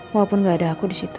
walaupun gak ada aku disitu